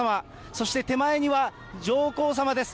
そして手前には上皇さまです。